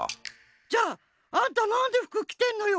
じゃああんたなんで服きてんのよ？